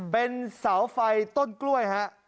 เป็นเสาไฟต้นกล้วยฮะ